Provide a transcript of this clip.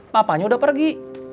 papanya udah pergi